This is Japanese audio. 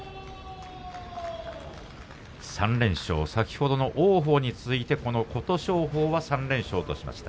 ３連勝先ほどの王鵬に加えて琴勝峰は３連勝としました。